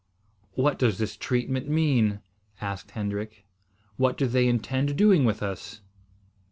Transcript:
"What does this treatment mean?" asked Hendrik. "What do they intend doing with us?"